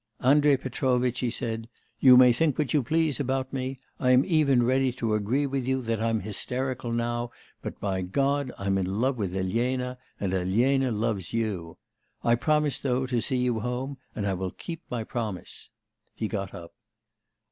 'Andrei Petrovitch,' he said, 'you may think what you please about me. I am even ready to agree with you that I'm hysterical now, but, by God, I'm in love with Elena, and Elena loves you. I promised, though, to see you home, and I will keep my promise.' He got up.